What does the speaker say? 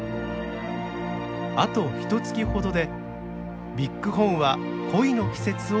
あとひとつきほどでビッグホーンは恋の季節を迎えます。